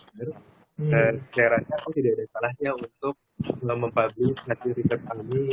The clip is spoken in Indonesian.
dan kearannya aku tidak ada salahnya untuk mempublic nanti rekening ini